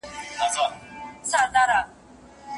جرګې بايد د نجونو د قرباني کيدو مخه ونيسي.